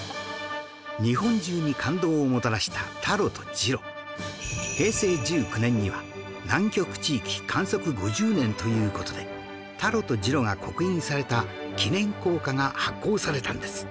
日本中に感動をもたらしたタロとジロ平成１９年には南極地域観測５０年という事でタロとジロが刻印された記念硬貨が発行されたんです